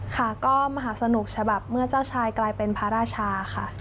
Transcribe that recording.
ค่ะก็มหาสนุกฉบับเมื่อเจ้าชายกลายเป็นพระราชาค่ะ